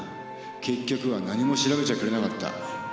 結局は何も調べちゃくれなかった。